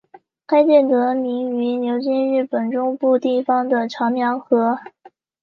该舰得名于流经日本中部地方的长良河。